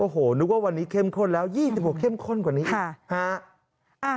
โอ้โหนึกว่าวันนี้เข้มข้นแล้ว๒๖เข้มข้นกว่านี้